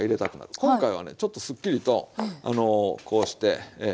今回はねちょっとすっきりとこうして。